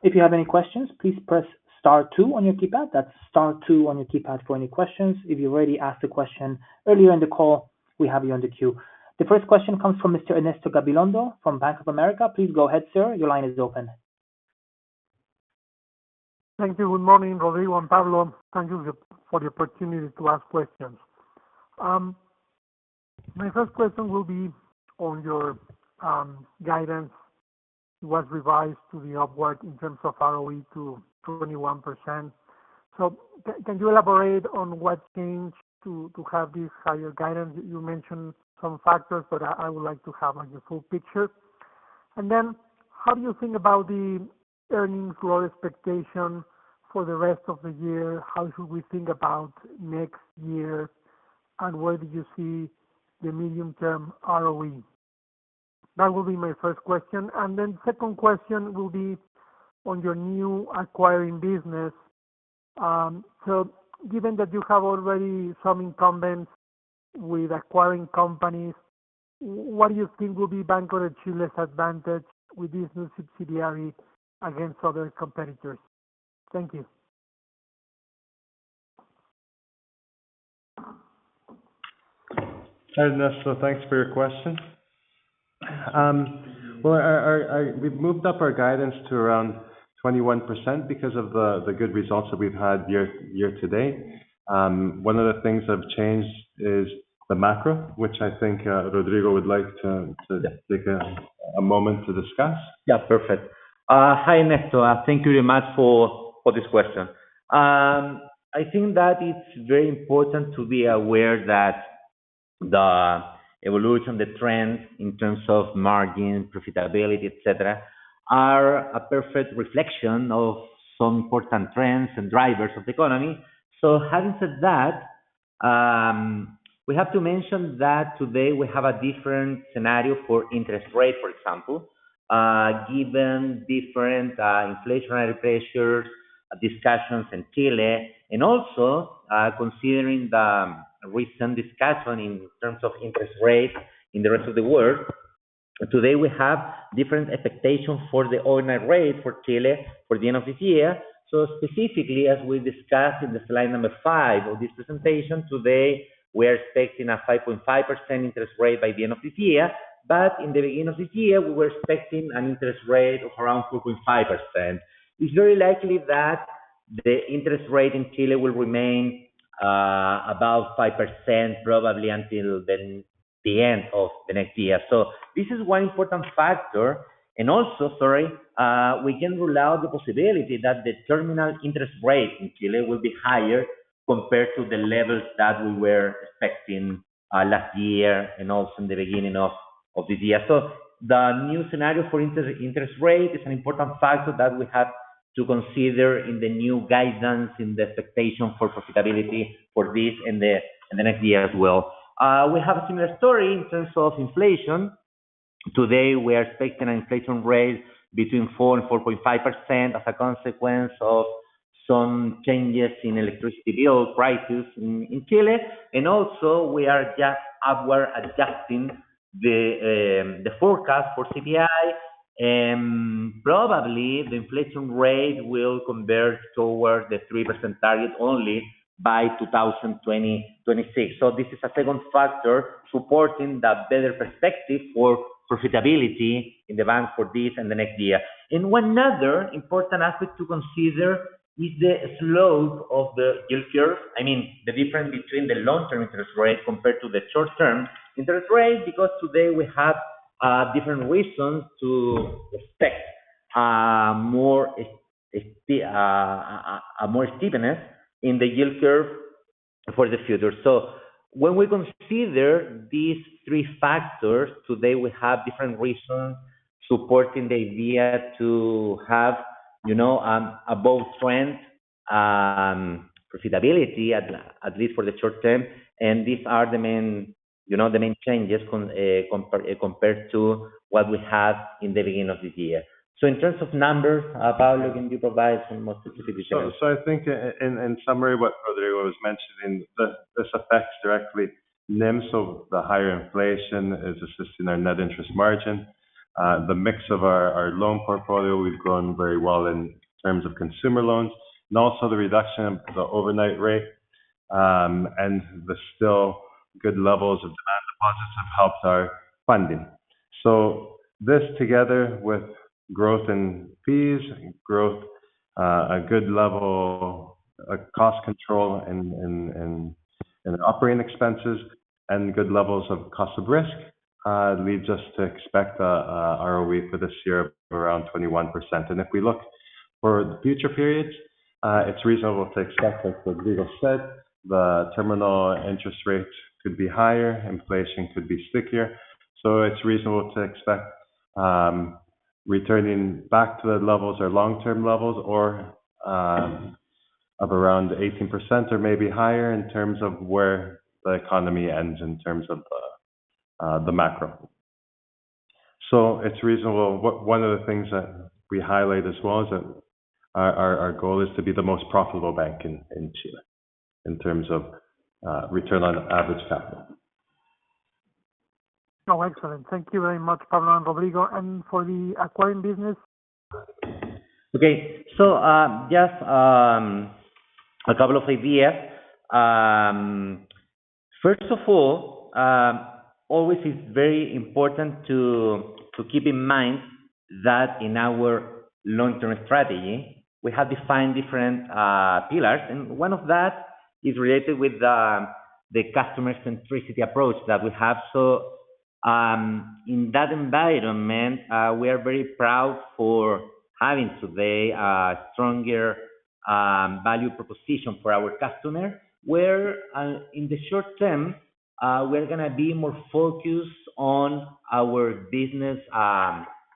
If you have any questions, please press Star two on your keypad. That's Star two on your keypad for any questions. If you already asked a question earlier in the call, we have you on the queue. The first question comes from Mr. Ernesto Gabilondo from Bank of America. Please go ahead, sir. Your line is open. Thank you. Good morning, Rodrigo and Pablo. Thank you for the opportunity to ask questions. My first question will be on your guidance. It was revised to the upward in terms of ROE to 21%. So can you elaborate on what changed to have this higher guidance? You mentioned some factors, but I would like to have a full picture. And then, how do you think about the earnings growth expectation for the rest of the year? How should we think about next year? And where do you see the medium-term ROE? That will be my first question. And then the second question will be on your new acquiring business. So given that you have already some incumbents with acquiring companies, what do you think will be Banco de Chile's advantage with this new subsidiary against other competitors? Thank you. Ernesto, thanks for your question. Well, we've moved up our guidance to around 21% because of the good results that we've had year to date. One of the things that have changed is the macro, which I think Rodrigo would like to take a moment to discuss. Yeah, perfect. Hi, Ernesto. Thank you very much for this question. I think that it's very important to be aware that the evolution, the trends in terms of margin, profitability, etc., are a perfect reflection of some important trends and drivers of the economy. So having said that, we have to mention that today we have a different scenario for interest rate, for example, given different inflationary pressures, discussions in Chile, and also considering the recent discussion in terms of interest rates in the rest of the world. Today, we have different expectations for the overnight rate for Chile for the end of this year. So specifically, as we discussed in slide number five of this presentation, today we are expecting a 5.5% interest rate by the end of this year, but in the beginning of this year, we were expecting an interest rate of around 4.5%. It's very likely that the interest rate in Chile will remain about 5%, probably until the end of the next year. So this is one important factor. And also, sorry, we can rule out the possibility that the terminal interest rate in Chile will be higher compared to the levels that we were expecting last year and also in the beginning of this year. So the new scenario for interest rate is an important factor that we have to consider in the new guidance, in the expectation for profitability for this and the next year as well. We have a similar story in terms of inflation. Today, we are expecting an inflation rate between 4% and 4.5% as a consequence of some changes in electricity bill prices in Chile. And also, we are just upward adjusting the forecast for CPI, and probably the inflation rate will converge toward the 3% target only by 2026. So this is a second factor supporting that better perspective for profitability in the bank for this and the next year. One other important aspect to consider is the slope of the yield curve, I mean, the difference between the long-term interest rate compared to the short-term interest rate, because today we have different reasons to expect more steepness in the yield curve for the future. When we consider these three factors, today we have different reasons supporting the idea to have, you know, a bold trend, profitability, at least for the short term. These are the main changes compared to what we had in the beginning of this year. So in terms of numbers, Pablo, can you provide some more specific details? So I think in summary what Rodrigo was mentioning, this affects directly NIMs. Of the higher inflation is assisting our net interest margin, the mix of our loan portfolio. We've grown very well in terms of consumer loans, and also the reduction of the overnight rate and the still good levels of demand deposits have helped our funding. So this together with growth in fees, growth, a good level of cost control in in in operating expenses, and good levels of cost of risk leads us to expect ROE for this year of around 21%. And if we look for the future periods, it's reasonable to expect, as Rodrigo said, the terminal interest rate could be higher, inflation could be stickier. So it's reasonable to expect returning back to the levels or long-term levels of around 18% or maybe higher in terms of where the economy ends in terms of the macro. So it's reasonable. One of the things that we highlight as well is that our goal is to be the most profitable bank in Chile in terms of return on average capital. Oh, excellent. Thank you very much, Pablo and Rodrigo. And for the acquiring business. Okay. So just a couple of ideas. First of all, always it's very important to to keep in mind that in our long-term strategy, we have defined different pillars, and one of that is related with the customer centricity approach that we have. So in that environment, we are very proud for having today a stronger value proposition for our customers, where in the short term, we're going to be more focused on our business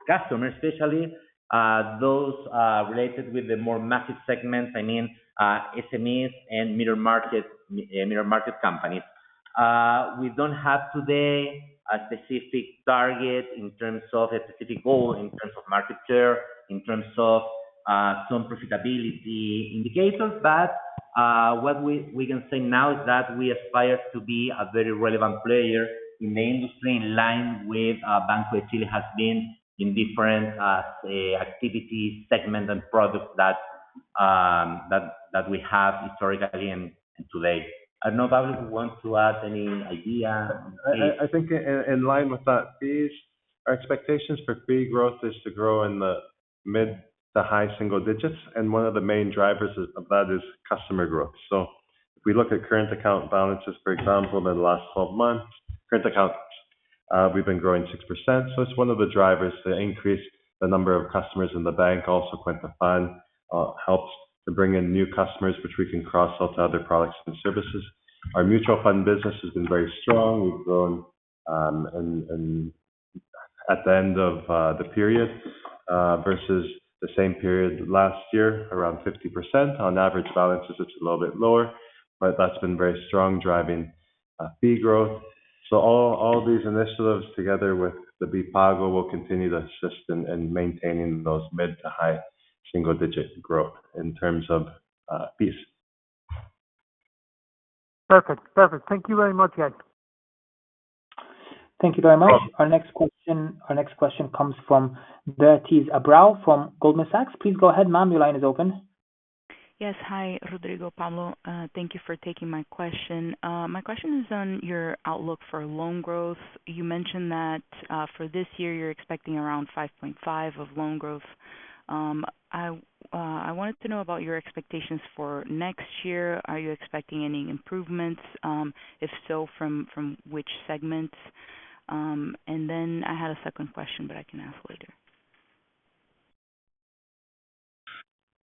customers, especially those related with the more massive segments, I mean, SMEs and middle-market companies. We don't have today a specific target in terms of a specific goal in terms of market share, in terms of some profitability indicators, but what we can say now is that we aspire to be a very relevant player in the industry in line with Banco de Chile has been in different activities, segments, and products that that we have historically and today. I don't know, Pablo, if you want to add any idea. I think in line with that, our expectations for fee growth is to grow in the mid- to high-single digits, and one of the main drivers of that is customer growth. So if we look at current account balances, for example, in the last 12 months, current accounts, we've been growing 6%. So it's one of the drivers to increase the number of customers in the bank. Also, Cuenta FAN helps to bring in new customers, which we can cross-sell to other products and services. Our mutual fund business has been very strong. We've grown at the end of the period versus the same period last year, around 50%. On average balances, it's a little bit lower, but that's been very strong, driving fee growth. So all these initiatives together with B-Pago, will continue to assist in maintaining those mid- to high single-digit growth in terms of fees. Perfect. Perfect. Thank you very much again. Thank you very much. Our next question comes from Tito Labarta from Goldman Sachs. Please go ahead, ma'am. Your line is open. Yes. Hi, Rodrigo, Pablo. Thank you for taking my question. My question is on your outlook for loan growth. You mentioned that for this year, you're expecting around 5.5% of loan growth. I wanted to know about your expectations for next year. Are you expecting any improvements? If so, from from which segments? And then I had a second question, but I can ask later.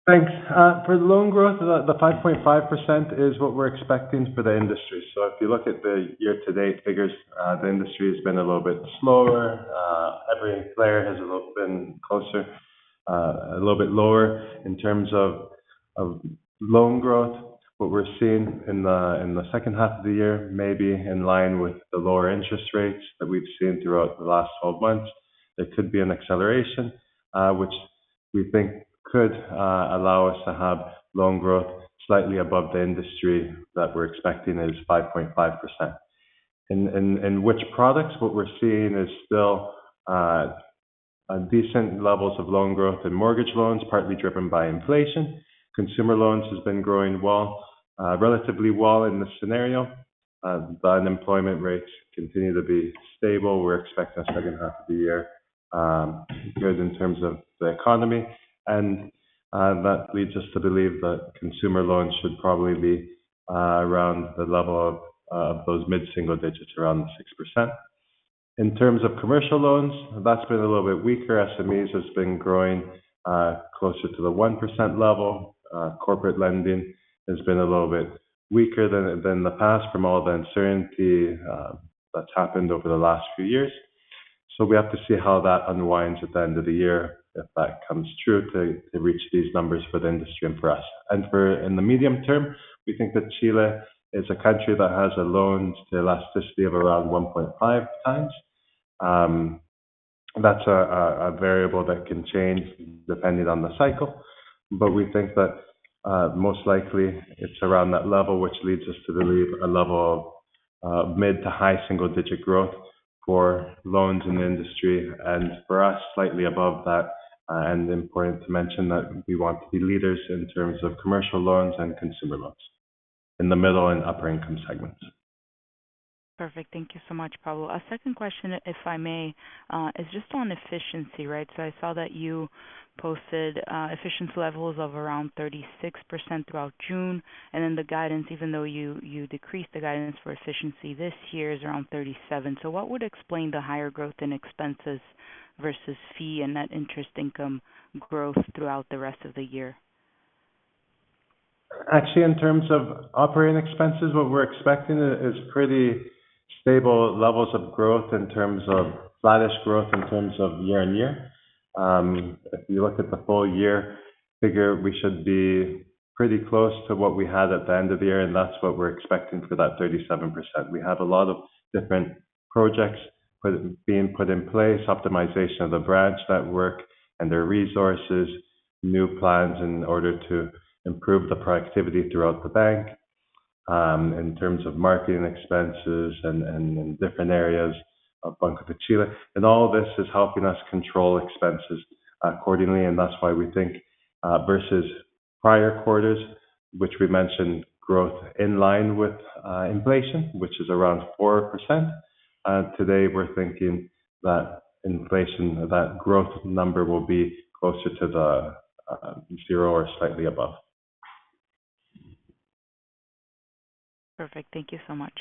Thanks. For the loan growth, the 5.5% is what we're expecting for the industry. So if you look at the year-to-date figures, the industry has been a little bit slower. Every player has been closer, a little bit lower in terms of loan growth. What we're seeing in the, in the second half of the year, maybe in line with the lower interest rates that we've seen throughout the last 12 months, there could be an acceleration, which we think could allow us to have loan growth slightly above the industry that we're expecting is 5.5%. In in which products, what we're seeing is still decent levels of loan growth in mortgage loans, partly driven by inflation. Consumer loans have been growing relatively well in this scenario. The unemployment rates continue to be stable. We're expecting the second half of the year good in terms of the economy. And that leads us to believe that consumer loans should probably be around the level of those mid-single digits, around 6%. In terms of commercial loans, that's been a little bit weaker. SMEs have been growing closer to the 1% level. Corporate lending has been a little bit weaker than the past from all the uncertainty that's happened over the last few years. So we have to see how that unwinds at the end of the year if that comes true to reach these numbers for the industry and for us. And in the medium term, we think that Chile is a country that has a loan elasticity of around 1.5 times. And that's a variable that can change depending on the cycle. But we think that most likely it's around that level, which leads us to believe a level of mid to high single-digit growth for loans in the industry. And for us, slightly above that. Important to mention that we want to be leaders in terms of commercial loans and consumer loans in the middle and upper-income segments. Perfect. Thank you so much, Pablo. A second question, if I may, is just on efficiency, right? I saw that you posted efficiency levels of around 36% throughout June. Then the guidance, even though you decreased the guidance for efficiency this year, is around 37%. What would explain the higher growth in expenses versus fee and net interest income growth throughout the rest of the year? Actually, in terms of operating expenses, what we're expecting is pretty stable levels of growth in terms of sluggish growth in terms of year-over-year. If you look at the full year figure, we should be pretty close to what we had at the end of the year, and that's what we're expecting for that 37%. We have a lot of different projects being put in place, optimization of the branch network and their resources, new plans in order to improve the productivity throughout the bank in terms of marketing expenses and and different areas of Banco de Chile. And all this is helping us control expenses accordingly, and that's why we think versus prior quarters, which we mentioned growth in line with inflation, which is around 4%. Today, we're thinking that inflation, that growth number will be closer to zero or slightly above. Perfect. Thank you so much.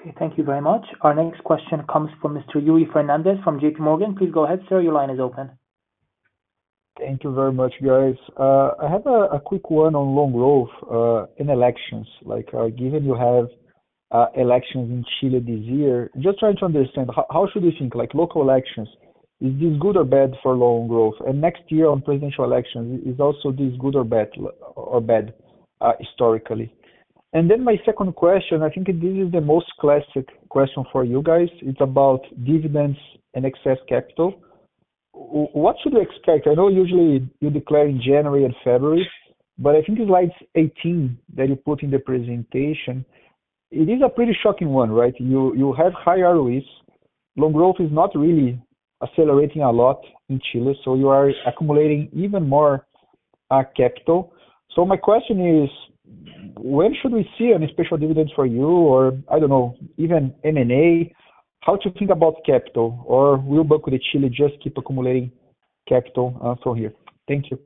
Okay. Thank you very much. Our next question comes from Mr. Yuri Fernandes from J.P. Morgan. Please go ahead, sir. Your line is open. Thank you very much, guys. I have a quick one on loan growth in elections. Given you have elections in Chile this year, just trying to understand, how should we think? Local elections, is this good or bad for loan growth? And next year on presidential elections, is also this good or bad historically? And then my second question, I think this is the most classic question for you guys. It's about dividends and excess capital. What should we expect? I know usually you declare in January and February, but I think it's slides 18 that you put in the presentation. It is a pretty shocking one, right? You have high ROEs. Loan growth is not really accelerating a lot in Chile, so you are accumulating even more capital. So my question is, when should we see any special dividends for you or, I don't know, even M&A? How to think about capital? Or will Bank of Chile just keep accumulating capital from here? Thank you.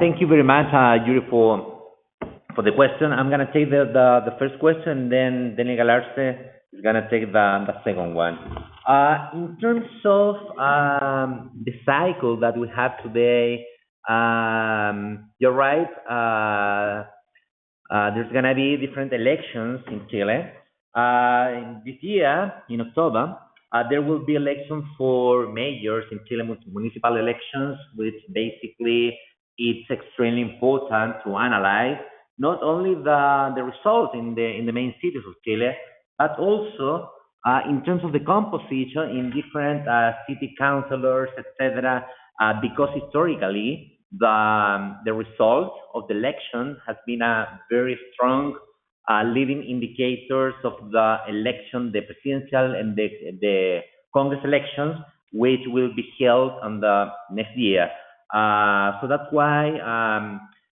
Thank you very much, Yuri, for the question. I'm going to take the first question, and then Daniel Galarce is going to take the second one. In terms of the cycle that we have today, you're right. There's going to be different elections in Chile. This year, in October, there will be elections for mayors in Chile, municipal elections, which basically it's extremely important to analyze not only the the results in the main cities of Chile, but also in terms of the composition in different city councils, etc., because historically, the result of the election has been a very strong leading indicator of the election, the presidential and the Congress elections, which will be held in the next year. So that's why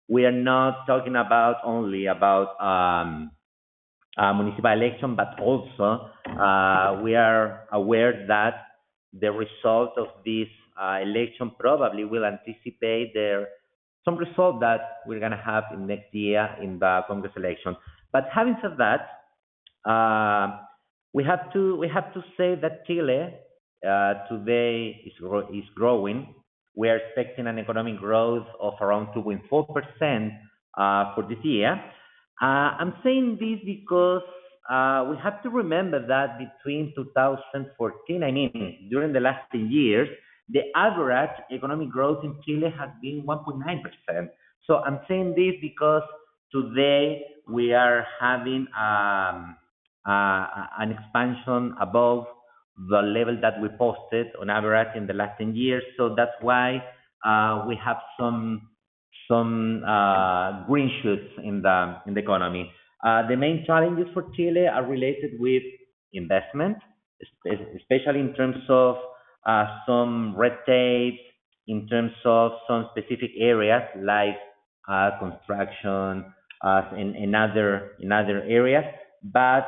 we are not talking about only about municipal election, but also we are aware that the result of this election probably will anticipate some result that we're going to have in next year in the Congress election. But having said that, we have to, we have to say that Chile today is growing. We are expecting an economic growth of around 2.4% for this year. I'm saying this because we have to remember that between 2014, I mean, during the last 10 years, the average economic growth in Chile has been 1.9%. So I'm saying this because today we are having an expansion above the level that we posted on average in the last 10 years. So that's why we have some some green shoots in the economy. The main challenges for Chile are related with investment, especially in terms of some red tape, in terms of some specific areas like construction and other other areas. But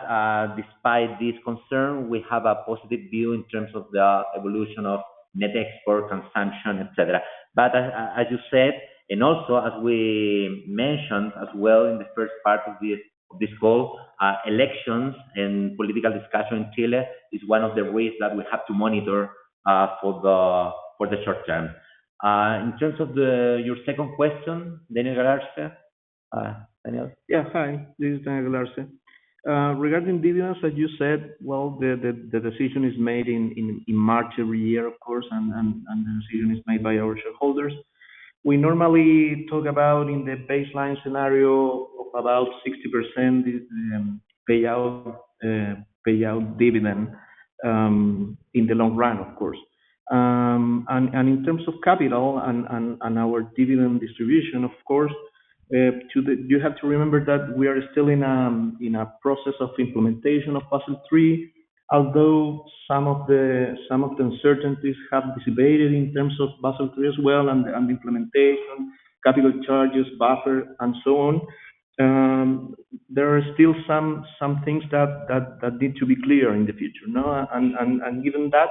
despite this concern, we have a positive view in terms of the evolution of net exports, consumption, etc. But as you said, and also as we mentioned as well in the first part of this call, elections and political discussion in Chile is one of the ways that we have to monitor for the, for the short term. In terms of your second question, Daniel Galarce, Daniel? Yeah. Hi. This is Daniel Galarce. Regarding dividends, as you said, well, the decision is made in March every year, of course, and the decision is made by our shareholders. We normally talk about in the baseline scenario of about 60% payout, payout dividend in the long run, of course. And in terms of capital and our dividend distribution, of course, you have to remember that we are still in a, in a process of implementation of Basel III, although some of the, some of the uncertainties have dissipated in terms of Basel III as well and the implementation, capital charges, buffer, and so on. There are still some some things that need to be clear in the future. And and given that,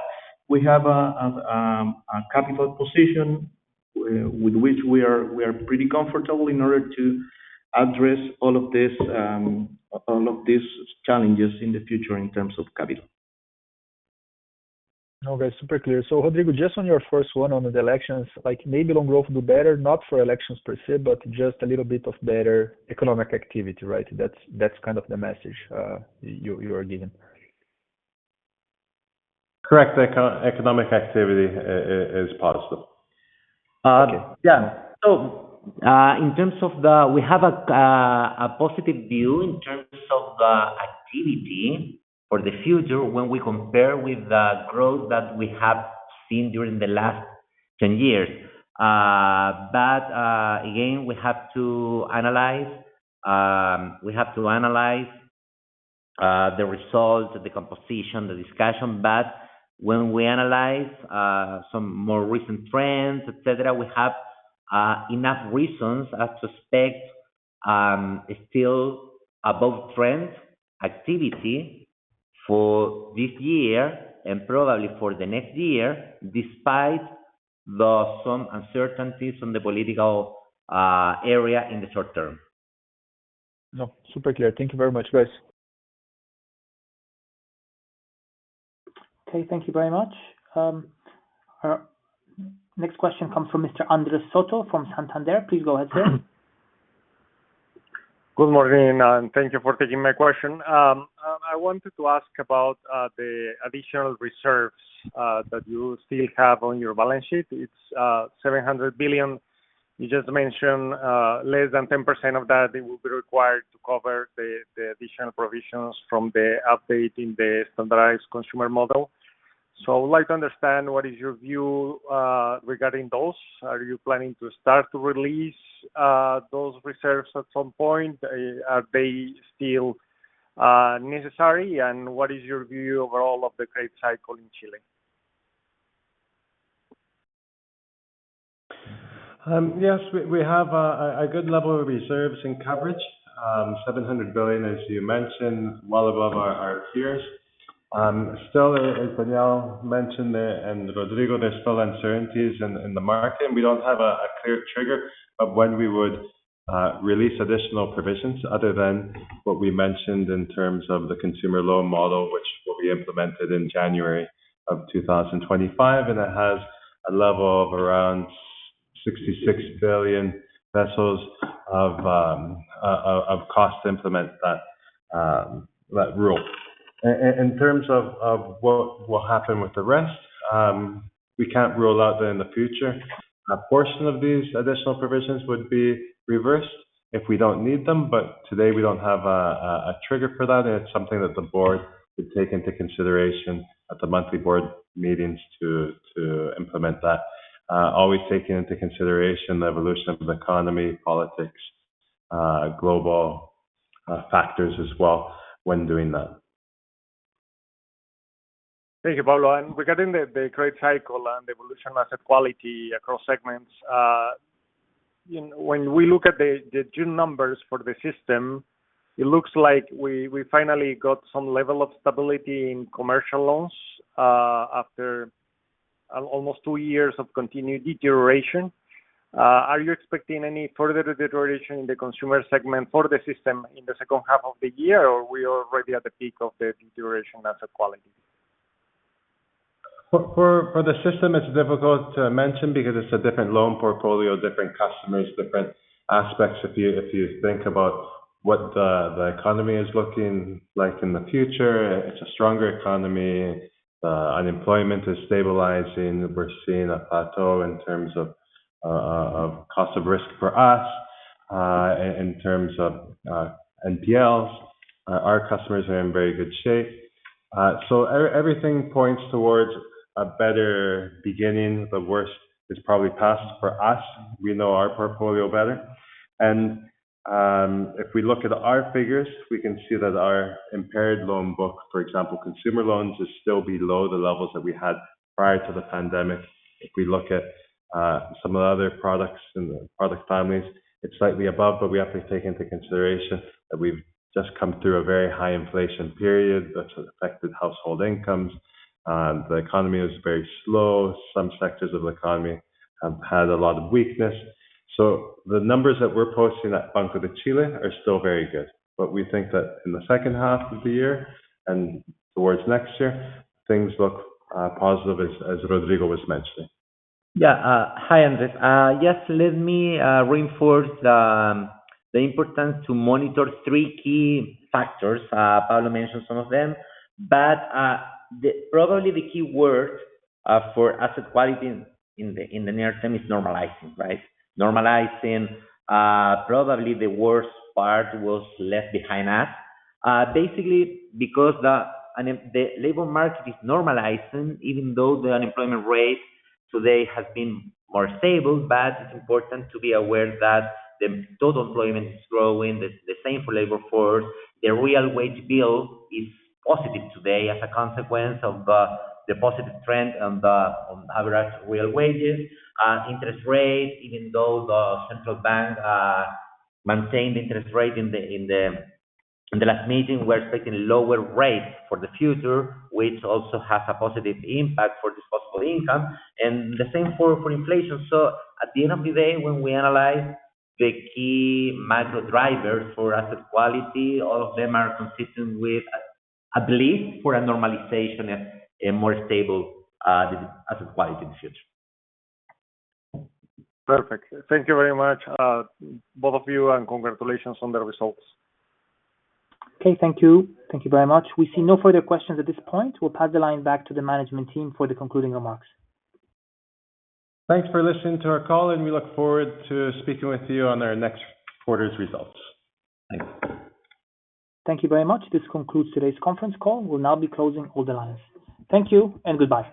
we have a capital position with which we are pretty comfortable in order to address all of these, all of these challenges in the future in terms of capital. Okay. Super clear. So, Rodrigo, just on your first one on the elections, maybe loan growth will do better, not for elections per se, but just a little bit of better economic activity, right? That's kind of the message you are giving. Correct. Economic activity is positive. Yeah. So in terms of the we have a positive view in terms of the activity for the future when we compare with the growth that we have seen during the last 10 years. But again, we have to analyze, we have to analyze the result, the composition, the discussion. But when we analyze some more recent trends, etc., we have enough reasons to expect still above-trend activity for this year and probably for the next year despite some uncertainties in the political area in the short term. No. Super clear. Thank you very much, guys. Okay. Thank you very much. Next question comes from Mr. Andrés Soto from Santander. Please go ahead, sir. Good morning. Thank you for taking my question. I wanted to ask about the additional reserves that you still have on your balance sheet. It's 700 billion. You just mentioned less than 10% of that will be required to cover the additional provisions from the update in the standardized consumer model. So I would like to understand what is your view regarding those. Are you planning to start to release those reserves at some point? Are they still necessary? And what is your view overall of the trade cycle in Chile? Yes. We have a good level of reserves and coverage. 700 billion, as you mentioned, well above our peers. Still, as Daniel mentioned and Rodrigo, there's still uncertainties in the market. We don't have a clear trigger of when we would release additional provisions other than what we mentioned in terms of the consumer loan model, which will be implemented in January of 2025. And it has a level of around 66 billion of cost to implement that rule. In terms of what will happen with the rest, we can't rule out that in the future. A portion of these additional provisions would be reversed if we don't need them. But today, we don't have a trigger for that. It's something that the board would take into consideration at the monthly board meetings to to implement that. Always taking into consideration the evolution of the economy, politics, global factors as well when doing that. Thank you, Pablo. Regarding the trade cycle and the evolution of asset quality across segments, when we look at the June numbers for the system, it looks like we finally got some level of stability in commercial loans after almost two years of continued deterioration. Are you expecting any further deterioration in the consumer segment for the system in the second half of the year, or are we already at the peak of the deterioration in asset quality? For the system, it's difficult to mention because it's a different loan portfolio, different customers, different aspects. If you think about what the economy is looking like in the future, it's a stronger economy. Unemployment is stabilizing. We're seeing a plateau in terms of cost of risk for us. In terms of NPLs, our customers are in very good shape. So everything points towards a better beginning. The worst is probably past for us. We know our portfolio better. And if we look at our figures, we can see that our impaired loan book, for example, consumer loans, is still below the levels that we had prior to the pandemic. If we look at some of the other products and product families, it's slightly above, but we have to take into consideration that we've just come through a very high inflation period that's affected household incomes. The economy is very slow. Some sectors of the economy have had a lot of weakness. So the numbers that we're posting at Banco de Chile are still very good. But we think that in the second half of the year and towards next year, things look positive, as Rodrigo was mentioning. Yeah. Hi, Andres. Yes. Let me reinforce the importance to monitor three key factors. Pablo mentioned some of them. But probably the key word for asset quality in the near term is normalizing, right? Normalizing. Probably the worst part was left behind us. Basically, because the labor market is normalizing, even though the unemployment rate today has been more stable, but it's important to be aware that the total employment is growing. The same for labor force. The real wage bill is positive today as a consequence of the positive trend on average real wages. Interest rate, even though the Central Bank maintained the interest rate in the, in the last meeting, we're expecting lower rates for the future, which also has a positive impact for disposable income. And the same for inflation. So at the end of the day, when we analyze the key macro drivers for asset quality, all of them are consistent with, at least for a normalization and more stable asset quality in the future. Perfect. Thank you very much, both of you, and congratulations on the results. Okay. Thank you. Thank you very much. We see no further questions at this point. We'll pass the line back to the management team for the concluding remarks. Thanks for listening to our call, and we look forward to speaking with you on our next quarter's results. Thanks. Thank you very much. This concludes today's conference call. We'll now be closing all the lines. Thank you and goodbye.